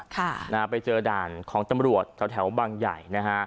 ค่ะนะฮะไปเจอด่านของตำรวจแถวแถวบางใหญ่นะฮะ